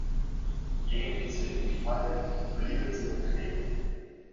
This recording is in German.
Gingen diese in die Falle, blieben sie dort kleben.